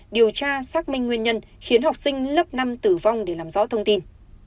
điều tra xác minh nguyên nhân khiến học sinh lớp năm tử vong để làm rõ thông tin